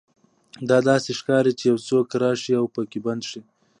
دا داسې ښکاري چې یو څوک راشي او پکې بند شي